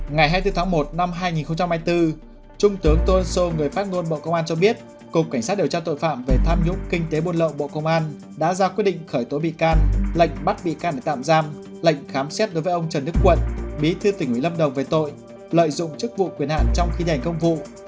ngày hai mươi bốn tháng một năm hai nghìn hai mươi bốn trung tướng tô ân sô người phát ngôn bộ công an cho biết cục cảnh sát điều tra tội phạm về tham nhũng kinh tế buôn lậu bộ công an đã ra quyết định khởi tố bị can lệnh bắt bị can để tạm giam lệnh khám xét đối với ông trần đức quận bí thư tỉnh ủy lâm đồng về tội lợi dụng chức vụ quyền hạn trong khi hành công vụ